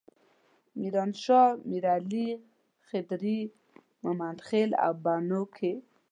میرانشاه، میرعلي، خدري، ممندخیل او بنو کې.